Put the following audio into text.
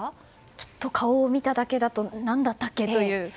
ちょっと顔を見ただけだと何だったっけ？という。